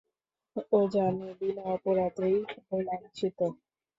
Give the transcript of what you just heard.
ও জানে, বিনা অপরাধেই ও লাঞ্ছিত।